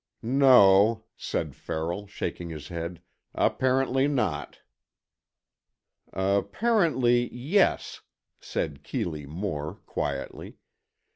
"No," said Farrell, shaking his head, "apparently not." "Apparently yes," said Keeley Moore, quietly.